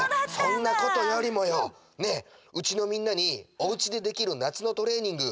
そんなことよりもよねえうちのみんなに「おうちでできる夏のトレーニング」